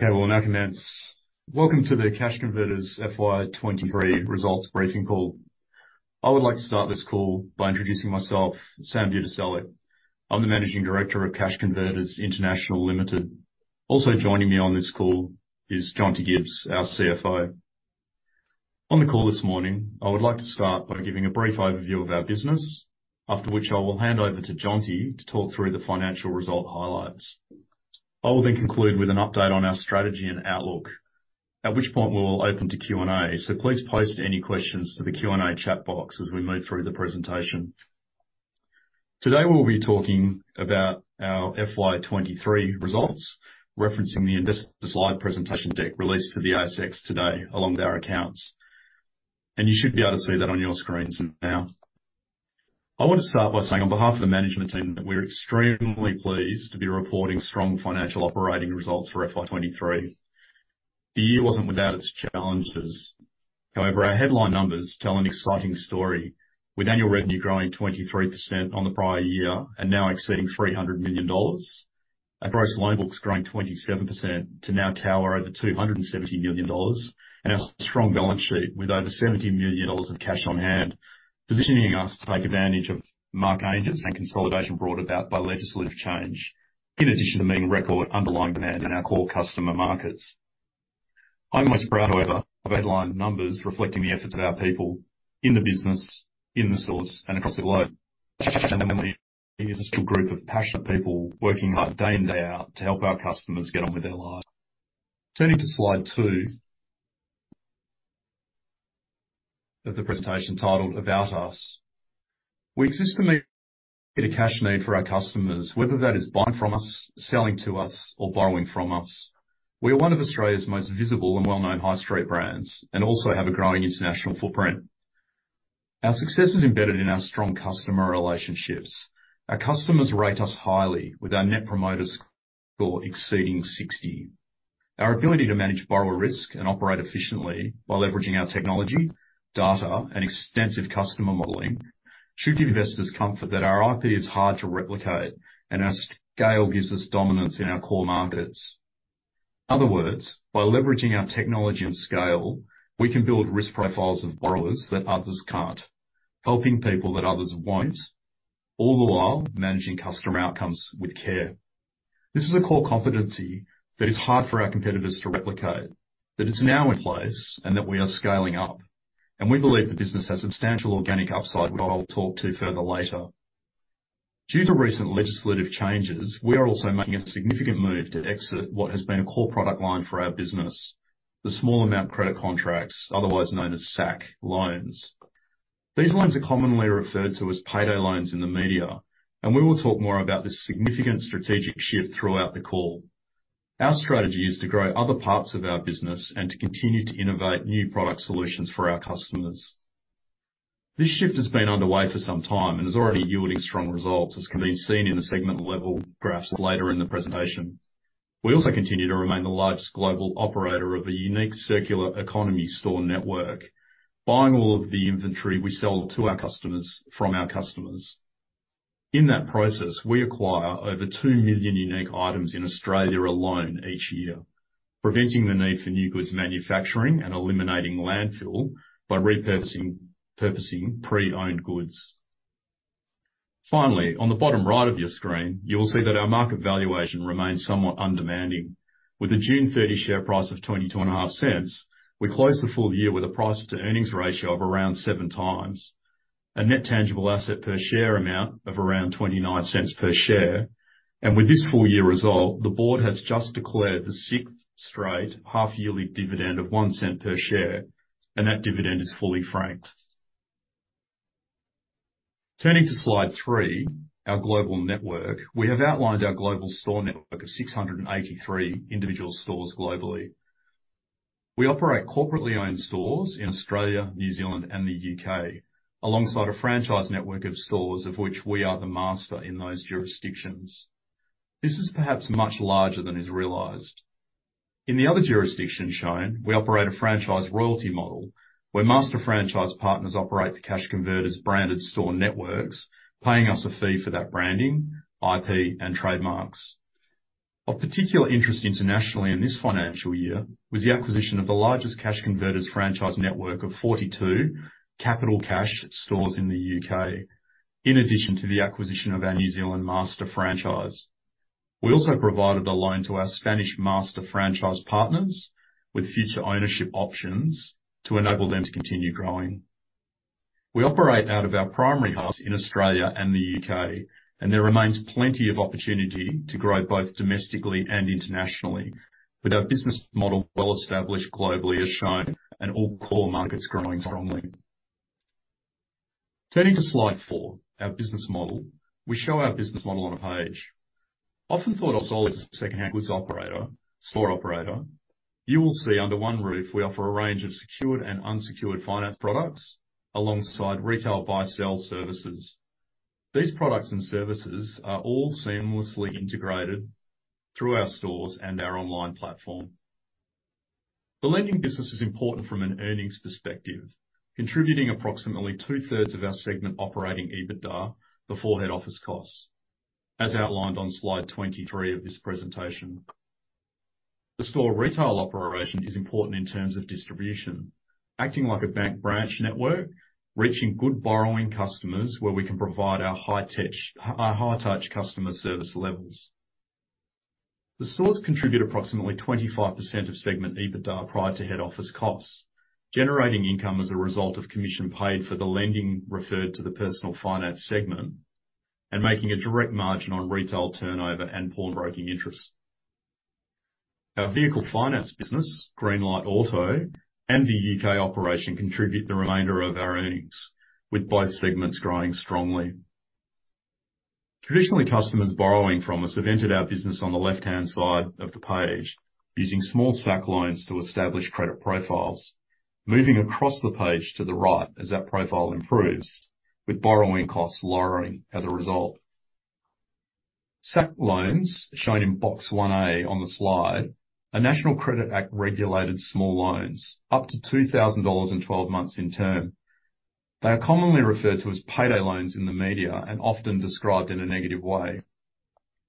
Okay, we'll now commence. Welcome to the Cash Converters FY2023 results Briefing Call. I would like to start this call by introducing myself, Sam Budiselik. I'm the Managing Director of Cash Converters International Limited. Also joining me on this call is Jonty Gibbs, our CFO. On the call this morning, I would like to start by giving a brief overview of our business, after which I will hand over to Jonty to talk through the financial result highlights. I will then conclude with an update on our strategy and outlook, at which point we will open to Q&A. So please post any questions to the Q&A chat box as we move through the presentation. Today, we'll be talking about our FY2023 results, referencing the slide presentation deck released to the ASX today, along with our accounts. You should be able to see that on your screens now. I want to start by saying, on behalf of the management team, that we're extremely pleased to be reporting strong financial operating results for FY 2023. The year wasn't without its challenges. However, our headline numbers tell an exciting story, with annual revenue growing 23% on the prior year and now exceeding 300 million dollars. Our gross loan books growing 27% to now tower over 270 million dollars, and a strong balance sheet with over 70 million dollars of cash on hand, positioning us to take advantage of market changes and consolidation brought about by legislative change, in addition to meeting record underlying demand in our core customer markets. I'm most proud, however, of headline numbers reflecting the efforts of our people in the business, in the stores, and across the globe. is a group of passionate people working hard day in, day out to help our customers get on with their lives. Turning to slide two of the presentation titled "About Us." We exist to meet a cash need for our customers, whether that is buying from us, selling to us, or borrowing from us. We are one of Australia's most visible and well-known high street brands, and also have a growing international footprint. Our success is embedded in our strong customer relationships. Our customers rate us highly with our Net Promoter Score exceeding 60. Our ability to manage borrower risk and operate efficiently while leveraging our technology, data, and extensive customer modeling should give investors comfort that our IP is hard to replicate, and our scale gives us dominance in our core markets. In other words, by leveraging our technology and scale, we can build risk profiles of borrowers that others can't, helping people that others won't, all the while managing customer outcomes with care. This is a core competency that is hard for our competitors to replicate, that is now in place and that we are scaling up, and we believe the business has substantial organic upside, which I will talk to further later. Due to recent legislative changes, we are also making a significant move to exit what has been a core product line for our business, the small amount credit contracts, otherwise known as SACC loans. These loans are commonly referred to as payday loans in the media, and we will talk more about this significant strategic shift throughout the call. Our strategy is to grow other parts of our business and to continue to innovate new product solutions for our customers. This shift has been underway for some time and is already yielding strong results, as can be seen in the segment level graphs later in the presentation. We also continue to remain the largest global operator of a unique circular economy store network, buying all of the inventory we sell to our customers from our customers. In that process, we acquire over 2 million unique items in Australia alone each year, preventing the need for new goods manufacturing and eliminating landfill by repurchasing, purchasing pre-owned goods. Finally, on the bottom right of your screen, you will see that our market valuation remains somewhat undemanding. With a June 30 share price of 0.225, we closed the full year with a price-to-earnings ratio of around 7x, a net tangible asset per share amount of around 0.29 per share, and with this full year result, the board has just declared the sixth straight half yearly dividend of 0.01 per share, and that dividend is fully franked. Turning to slide three, our global network, we have outlined our global store network of 683 individual stores globally. We operate corporately owned stores in Australia, New Zealand, and the U.K., alongside a franchise network of stores, of which we are the master in those jurisdictions. This is perhaps much larger than is realized. In the other jurisdictions shown, we operate a franchise royalty model, where master franchise partners operate the Cash Converters branded store networks, paying us a fee for that branding, IP, and trademarks. Of particular interest internationally in this financial year, was the acquisition of the largest Cash Converters franchise network of 42 Capital Cash stores in the U.K. In addition to the acquisition of our New Zealand master franchise, we also provided a loan to our Spanish master franchise partners with future ownership options to enable them to continue growing. We operate out of our primary hubs in Australia and the U.K., and there remains plenty of opportunity to grow both domestically and internationally. With our business model well established globally, as shown, and all core markets growing strongly. Turning to slide four, our business model. We show our business model on a page. Often thought of as a secondhand goods operator—store operator, you will see under one roof, we offer a range of secured and unsecured finance products, alongside retail buy/sell services. These products and services are all seamlessly integrated through our stores and our online platform. The lending business is important from an earnings perspective, contributing approximately two-thirds of our segment operating EBITDA before head office costs, as outlined on slide 23 of this presentation. The store retail operation is important in terms of distribution, acting like a bank branch network, reaching good borrowing customers, where we can provide our high-tech, our high-touch customer service levels. The stores contribute approximately 25% of segment EBITDA prior to head office costs, generating income as a result of commission paid for the lending referred to the personal finance segment, and making a direct margin on retail turnover and pawnbroking interest. Our vehicle finance business, Green Light Auto, and the U.K. operation, contribute the remainder of our earnings, with both segments growing strongly. Traditionally, customers borrowing from us have entered our business on the left-hand side of the page, using small SACC loans to establish credit profiles. Moving across the page to the right as that profile improves, with borrowing costs lowering as a result. SACC loans, shown in box 1A on the slide, are National Credit Act regulated small loans, up to 2,000 dollars and 12 months in term. They are commonly referred to as payday loans in the media, and often described in a negative way.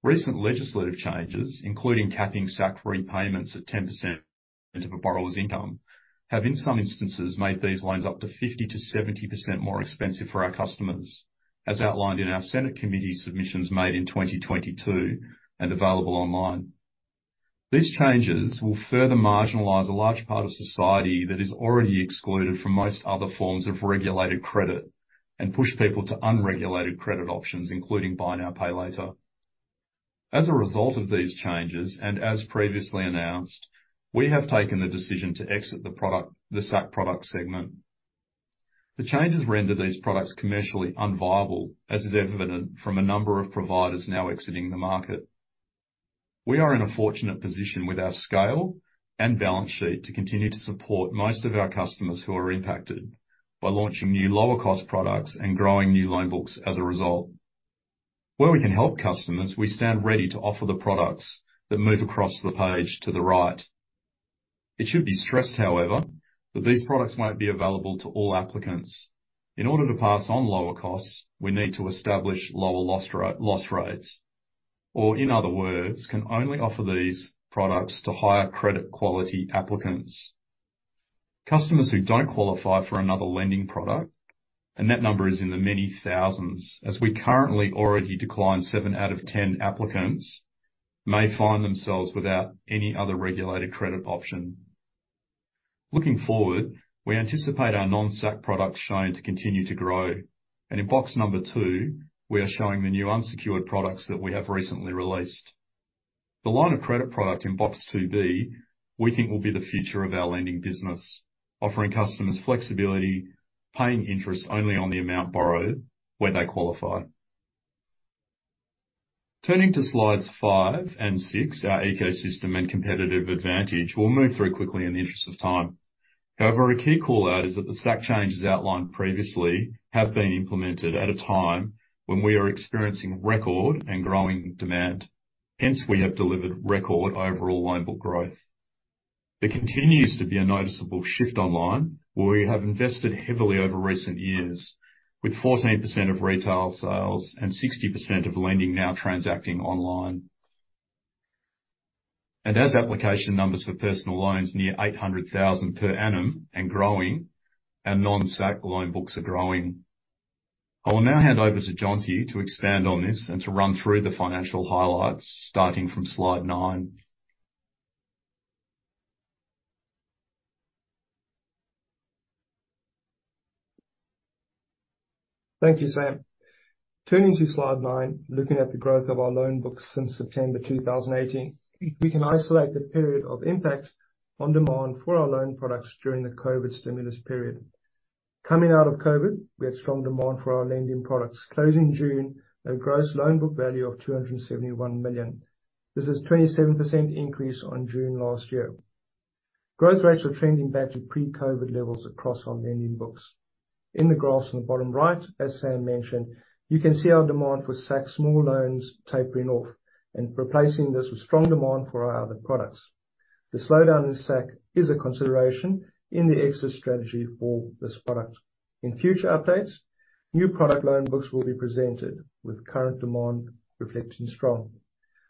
Recent legislative changes, including capping SACC repayments at 10% of a borrower's income, have, in some instances, made these loans up to 50%-70% more expensive for our customers, as outlined in our Senate committee submissions made in 2022, and available online. These changes will further marginalize a large part of society that is already excluded from most other forms of regulated credit, and push people to unregulated credit options, including buy now, pay later. As a result of these changes, and as previously announced, we have taken the decision to exit the product, the SACC product segment. The changes render these products commercially unviable, as is evident from a number of providers now exiting the market. We are in a fortunate position with our scale and balance sheet, to continue to support most of our customers who are impacted, by launching new lower cost products and growing new loan books as a result. Where we can help customers, we stand ready to offer the products that move across the page to the right. It should be stressed, however, that these products won't be available to all applicants. In order to pass on lower costs, we need to establish lower loss rate, loss rates, or in other words, can only offer these products to higher credit quality applicants. Customers who don't qualify for another lending product, and that number is in the many thousands, as we currently already decline seven out of 10 applicants, may find themselves without any other regulated credit option. Looking forward, we anticipate our non-SACC products shown to continue to grow, and in box number two, we are showing the new unsecured products that we have recently released. The line of credit product in box 2B, we think will be the future of our lending business, offering customers flexibility, paying interest only on the amount borrowed where they qualify. Turning to slides five and six, our ecosystem and competitive advantage, we'll move through quickly in the interest of time. However, a key call-out is that the SACC changes outlined previously have been implemented at a time when we are experiencing record and growing demand. Hence, we have delivered record overall loan book growth. There continues to be a noticeable shift online, where we have invested heavily over recent years, with 14% of retail sales and 60% of lending now transacting online. As application numbers for personal loans near 800,000 per annum and growing, our non-SACC loan books are growing. I will now hand over to Jonty to expand on this and to run through the financial highlights, starting from slide nine. Thank you, Sam. Turning to slide nine, looking at the growth of our loan books since September 2018, we can isolate the period of impact on demand for our loan products during the COVID stimulus period. Coming out of COVID, we had strong demand for our lending products, closing June at a gross loan book value of 271 million. This is a 27% increase on June last year. Growth rates are trending back to pre-COVID levels across our lending books. In the graphs on the bottom right, as Sam mentioned, you can see our demand for SACC small loans tapering off, and replacing this with strong demand for our other products. The slowdown in SACC is a consideration in the exit strategy for this product. In future updates, new product loan books will be presented with current demand reflecting strong.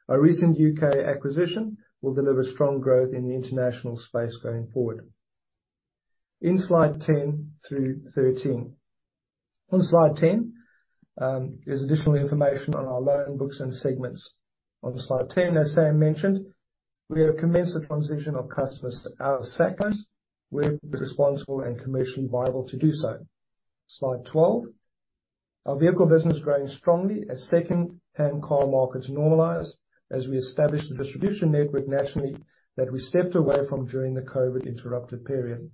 Our recent U.K. acquisition will deliver strong growth in the international space going forward. In Slide 10 through 13. On Slide 10, there's additional information on our loan books and segments. On Slide 10, as Sam mentioned, we have commenced the transition of customers out of SACC loans. We're responsible and commercially viable to do so. Slide 12, our vehicle business is growing strongly as second-hand car markets normalize, as we establish the distribution network nationally, that we stepped away from during the COVID-interrupted period.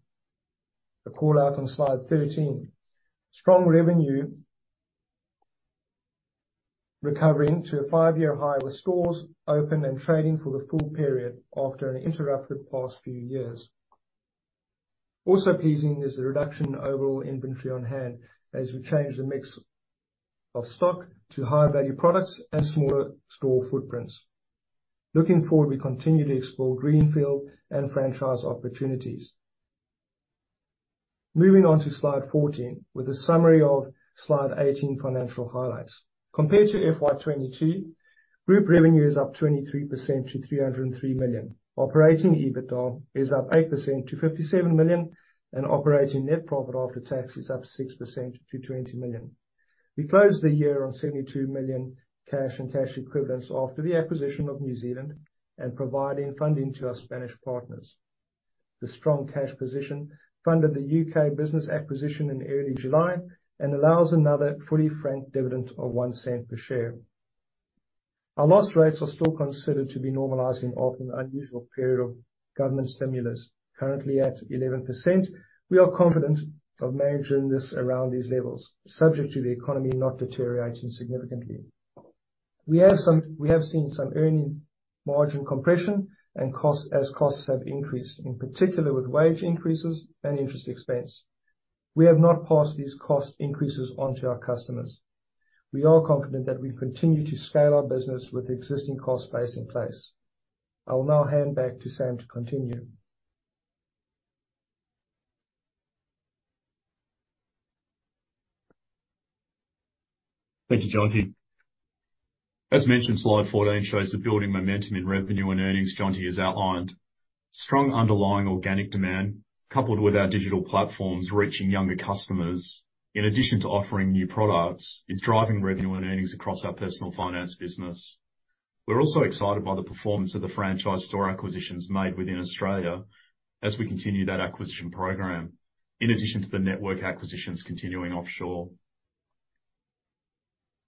A call-out on Slide 13. Strong revenue recovering to a five-year high, with stores open and trading for the full period after an interrupted past few years... Also pleasing is the reduction in overall inventory on hand, as we change the mix of stock to higher value products and smaller store footprints. Looking forward, we continue to explore greenfield and franchise opportunities. Moving on to slide 14, with a summary of slide 18 financial highlights. Compared to FY 2022, group revenue is up 23% to 303 million. Operating EBITDA is up 8% to 57 million, and operating net profit after tax is up 6% to 20 million. We closed the year on 72 million cash and cash equivalents after the acquisition of New Zealand, and providing funding to our Spanish partners. The strong cash position funded the U.K. business acquisition in early July, and allows another fully franked dividend of 0.01 per share. Our loss rates are still considered to be normalizing off an unusual period of government stimulus, currently at 11%. We are confident of managing this around these levels, subject to the economy not deteriorating significantly. We have seen some earnings margin compression and costs, as costs have increased, in particular with wage increases and interest expense. We have not passed these cost increases on to our customers. We are confident that we continue to scale our business with the existing cost base in place. I will now hand back to Sam to continue. Thank you, Jonty. As mentioned, slide 14 shows the building momentum in revenue and earnings Jonty has outlined. Strong underlying organic demand, coupled with our digital platforms reaching younger customers, in addition to offering new products, is driving revenue and earnings across our personal finance business. We're also excited by the performance of the franchise store acquisitions made within Australia, as we continue that acquisition program, in addition to the network acquisitions continuing offshore.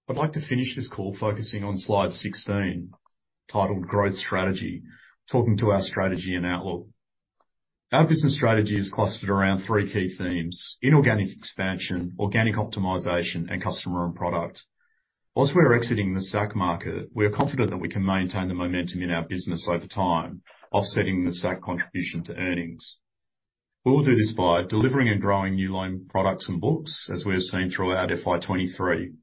I'd like to finish this call focusing on slide 16, titled Growth Strategy, talking to our strategy and outlook. Our business strategy is clustered around three key themes: inorganic expansion, organic optimization, and customer and product. Whilst we are exiting the SACC market, we are confident that we can maintain the momentum in our business over time, offsetting the SACC contribution to earnings. We will do this by delivering and growing new loan products and books, as we have seen throughout FY 2023,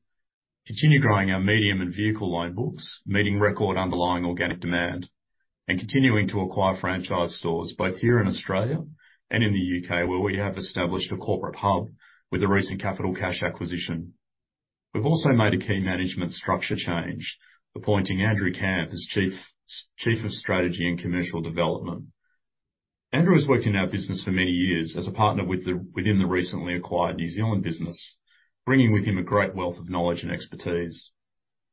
continue growing our medium and vehicle loan books, meeting record underlying organic demand, and continuing to acquire franchise stores both here in Australia and in the U.K., where we have established a corporate hub with a recent Capital Cash acquisition. We've also made a key management structure change, appointing Andrew Kamp as Chief of Strategy and Commercial Development. Andrew has worked in our business for many years as a partner within the recently acquired New Zealand business, bringing with him a great wealth of knowledge and expertise.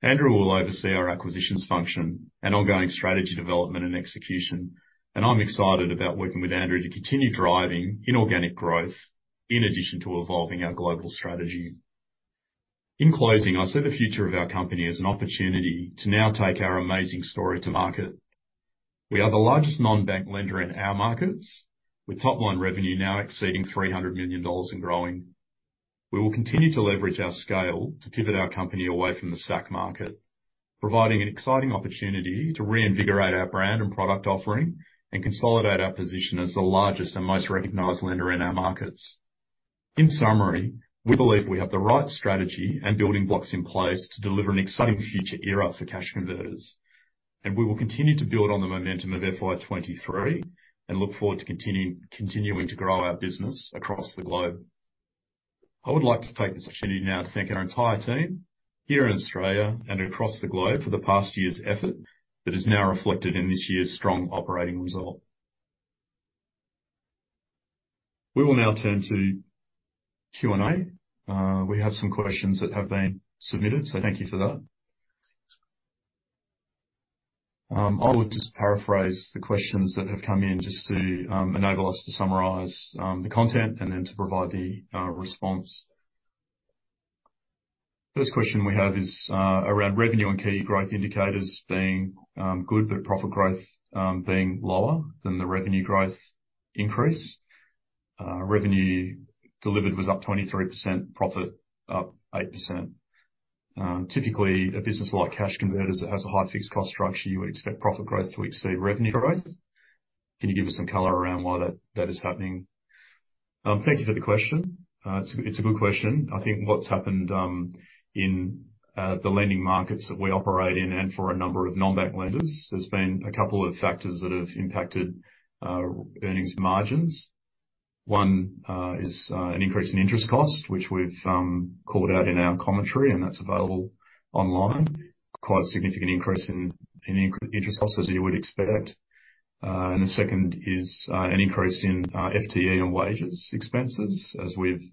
Andrew will oversee our acquisitions function and ongoing strategy, development, and execution. And I'm excited about working with Andrew to continue driving inorganic growth, in addition to evolving our global strategy. In closing, I see the future of our company as an opportunity to now take our amazing story to market. We are the largest non-bank lender in our markets, with top-line revenue now exceeding 300 million dollars and growing. We will continue to leverage our scale to pivot our company away from the SACC market, providing an exciting opportunity to reinvigorate our brand and product offering and consolidate our position as the largest and most recognized lender in our markets. In summary, we believe we have the right strategy and building blocks in place to deliver an exciting future era for Cash Converters. We will continue to build on the momentum of FY 2023, and look forward to continuing to grow our business across the globe. I would like to take this opportunity now to thank our entire team, here in Australia and across the globe, for the past year's effort that is now reflected in this year's strong operating result. We will now turn to Q&A. We have some questions that have been submitted, so thank you for that. I will just paraphrase the questions that have come in just to enable us to summarize the content and then to provide the response. First question we have is around revenue and key growth indicators being good, but profit growth being lower than the revenue growth increase. Revenue delivered was up 23%, profit up 8%. Typically, a business like Cash Converters that has a high fixed cost structure, you would expect profit growth to exceed revenue growth. Can you give us some color around why that is happening? Thank you for the question. It's a good question. I think what's happened in the lending markets that we operate in, and for a number of non-bank lenders, there's been a couple of factors that have impacted earnings margins. One is an increase in interest costs, which we've called out in our commentary, and that's available online. Quite a significant increase in interest costs, as you would expect. And the second is an increase in FTE and wages expenses, as we've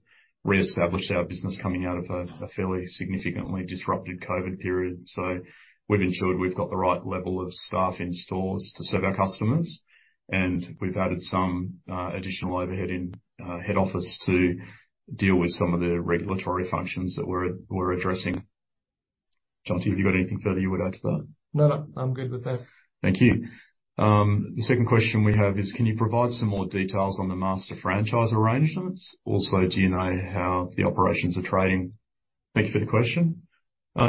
reestablished our business coming out of a fairly significantly disrupted COVID period. So we've ensured we've got the right level of staff in stores to serve our customers. We've added some additional overhead in head office to deal with some of the regulatory functions that we're addressing. Jonty, have you got anything further you would add to that? No, no, I'm good with that. Thank you. The second question we have is: Can you provide some more details on the master franchise arrangements? Also, do you know how the operations are trading? Thank you for the question.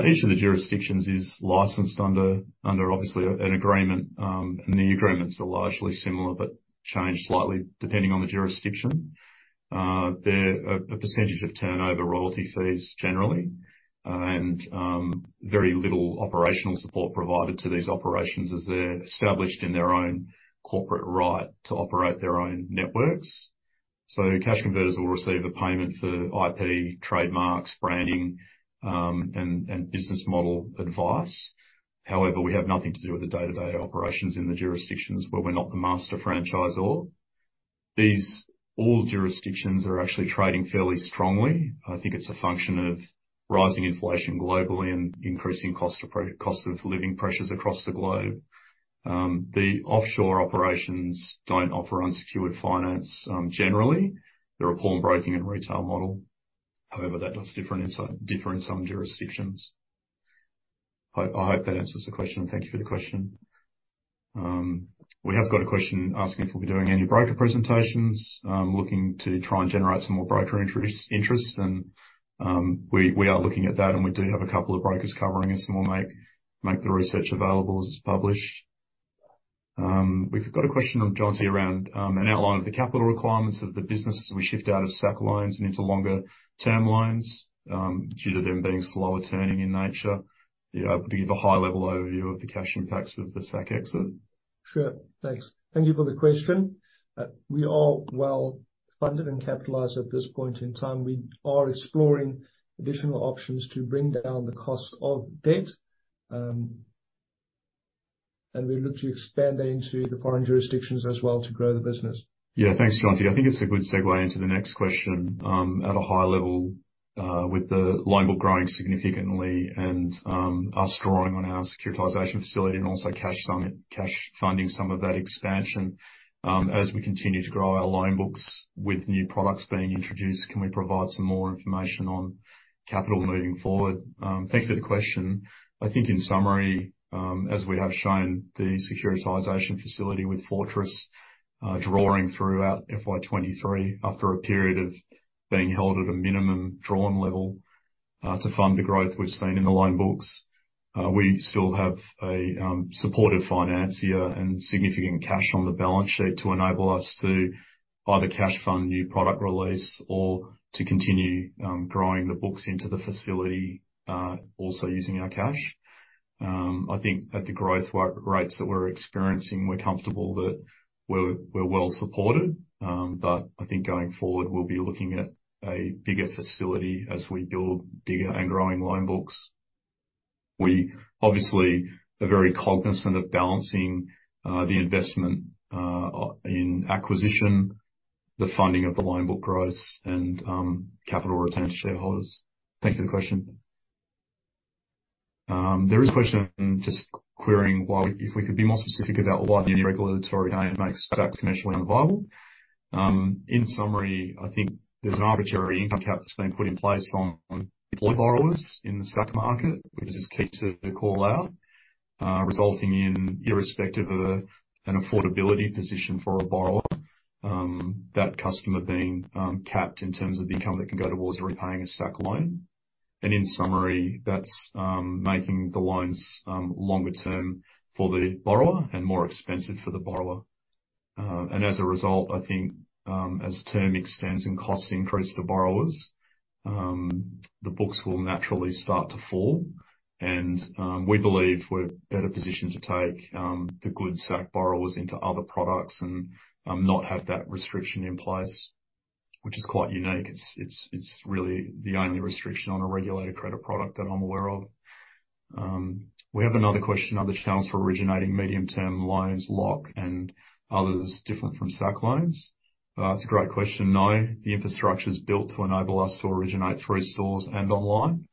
Each of the jurisdictions is licensed under, obviously, an agreement. And the agreements are largely similar, but change slightly depending on the jurisdiction. They're a percentage of turnover royalty fees generally, and very little operational support provided to these operations, as they're established in their own corporate right to operate their own networks. So Cash Converters will receive a payment for IP, trademarks, branding, and business model advice. However, we have nothing to do with the day-to-day operations in the jurisdictions, but we're not the master franchisor. All jurisdictions are actually trading fairly strongly. I think it's a function of rising inflation globally and increasing cost of living pressures across the globe. The offshore operations don't offer unsecured finance, generally. They're a pawnbroking and retail model. However, that does differ in some jurisdictions. I hope that answers the question, and thank you for the question. We have got a question asking if we'll be doing any broker presentations. Looking to try and generate some more broker interest, and we are looking at that, and we do have a couple of brokers covering us, and we'll make the research available as it's published. We've got a question from Jonty around an outline of the capital requirements of the business as we shift out of SACC loans and into longer term loans due to them being slower turning in nature. Be able to give a high level overview of the cash impacts of the SACC exit? Sure. Thanks. Thank you for the question. We are well funded and capitalized at this point in time. We are exploring additional options to bring down the cost of debt, and we look to expand that into the foreign jurisdictions as well to grow the business. Yeah. Thanks, Jonty. I think it's a good segue into the next question. At a high level, with the loan book growing significantly and us drawing on our securitization facility and also cash funding some of that expansion, as we continue to grow our loan books with new products being introduced, can we provide some more information on capital moving forward? Thank you for the question. I think in summary, as we have shown, the securitization facility with Fortress, drawing throughout FY2023, after a period of being held at a minimum drawn level, to fund the growth we've seen in the loan books. We still have a supportive financier and significant cash on the balance sheet to enable us to either cash fund new product release or to continue growing the books into the facility, also using our cash. I think at the growth rates that we're experiencing, we're comfortable that we're well supported. But I think going forward, we'll be looking at a bigger facility as we build bigger and growing loan books. We obviously are very cognizant of balancing the investment in acquisition, the funding of the loan book growth, and capital return to shareholders. Thank you for the question. There is a question just querying why, if we could be more specific about why the new regulatory regime makes SACCs commercially unviable. In summary, I think there's an arbitrary income cap that's been put in place on employed borrowers in the SACC market, which is key to call out, resulting in, irrespective of, an affordability position for a borrower, that customer being capped in terms of the income that can go towards repaying a SACC loan. And in summary, that's making the loans longer term for the borrower and more expensive for the borrower. And as a result, I think, as term extends and costs increase to borrowers, the books will naturally start to fall, and we believe we're better positioned to take the good SACC borrowers into other products and not have that restriction in place, which is quite unique. It's really the only restriction on a regulated credit product that I'm aware of. We have another question. Are the channels for originating medium-term loans, LOC, and others different from SACC loans? That's a great question. No, the infrastructure is built to enable us to originate through stores and online.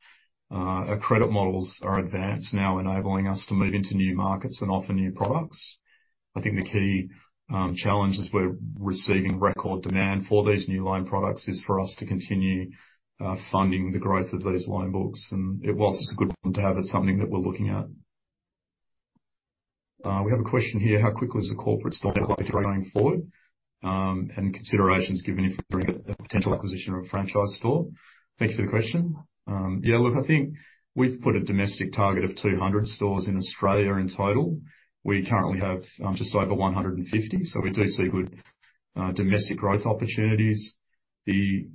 Our credit models are advanced now, enabling us to move into new markets and offer new products. I think the key challenge is we're receiving record demand for these new loan products is for us to continue funding the growth of these loan books. And it, while it's a good problem to have, it's something that we're looking at. We have a question here: How quickly is the corporate store going forward, and considerations given if there is a potential acquisition of a franchise store? Thank you for the question. Yeah, look, I think we've put a domestic target of 200 stores in Australia in total. We currently have just over 150, so we do see good domestic growth opportunities. The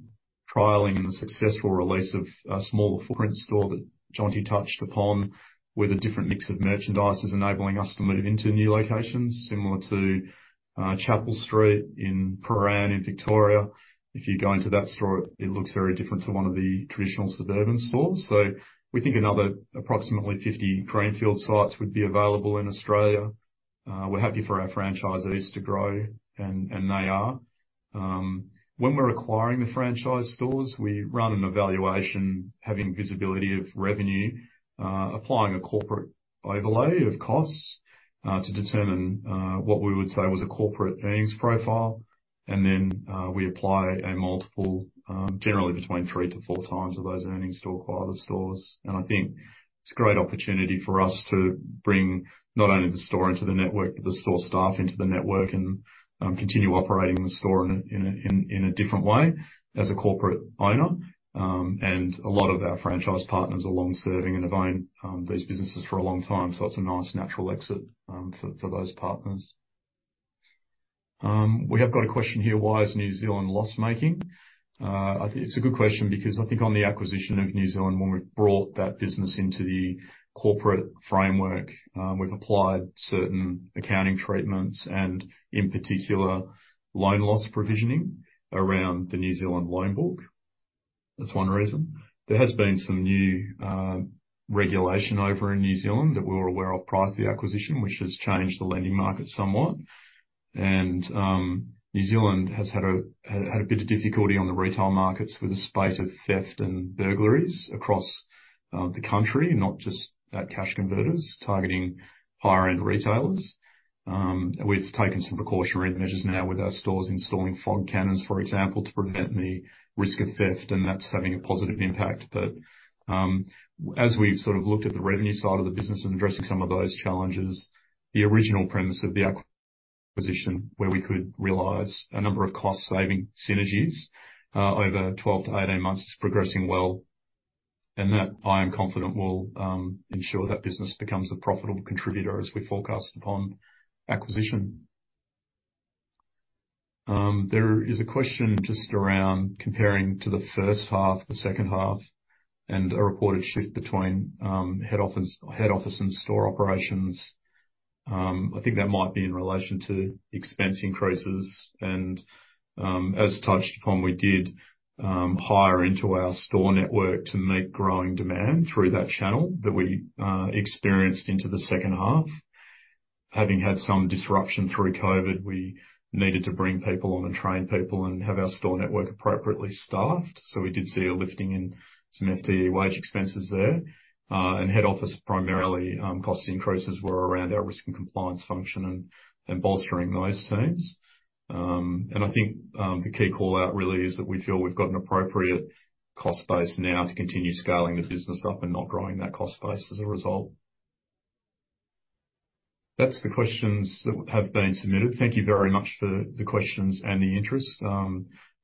trialing and the successful release of a smaller footprint store that Jonty touched upon, with a different mix of merchandise, is enabling us to move into new locations, similar to Chapel Street in Prahran, in Victoria. If you go into that store, it looks very different to one of the traditional suburban stores. So we think another approximately 50 greenfield sites would be available in Australia. We're happy for our franchisees to grow, and they are. When we're acquiring the franchise stores, we run an evaluation, having visibility of revenue, applying a corporate overlay of costs, to determine what we would say was a corporate earnings profile, and then we apply a multiple, generally between 3-4x of those earnings to acquire the stores. I think it's a great opportunity for us to bring not only the store into the network, but the store staff into the network, and continue operating the store in a different way, as a corporate owner. A lot of our franchise partners are long-serving and have owned these businesses for a long time, so that's a nice natural exit for those partners. We have got a question here: Why is New Zealand loss-making? I think it's a good question, because I think on the acquisition of New Zealand, when we brought that business into the corporate framework, we've applied certain accounting treatments and, in particular, loan loss provisioning around the New Zealand loan book. That's one reason. There has been some new regulation over in New Zealand that we were aware of prior to the acquisition, which has changed the lending market somewhat. New Zealand has had a bit of difficulty on the retail markets with the spate of theft and burglaries across the country, not just at Cash Converters, targeting higher end retailers. We've taken some precautionary measures now with our stores installing fog cannons, for example, to prevent the risk of theft, and that's having a positive impact. But, as we've sort of looked at the revenue side of the business and addressing some of those challenges, the original premise of the acquisition, where we could realize a number of cost saving synergies, over 12 to 18 months, is progressing well, and that I am confident will ensure that business becomes a profitable contributor as we forecast upon acquisition. There is a question just around comparing to the first half to the second half, and a reported shift between head office, head office and store operations. I think that might be in relation to expense increases, and, as touched upon, we did hire into our store network to meet growing demand through that channel that we experienced into the second half. Having had some disruption through COVID, we needed to bring people on, and train people, and have our store network appropriately staffed, so we did see a lifting in some FTE wage expenses there. Head office, primarily, cost increases were around our risk and compliance function and bolstering those teams. I think, the key call out really is that we feel we've got an appropriate cost base now to continue scaling the business up and not growing that cost base as a result. That's the questions that have been submitted. Thank you very much for the questions and the interest. I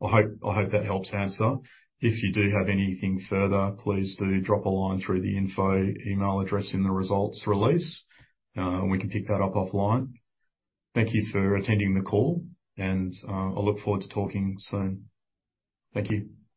hope, I hope that helps answer. If you do have anything further, please do drop a line through the info email address in the results release, and we can pick that up offline. Thank you for attending the call, and, I look forward to talking soon. Thank you.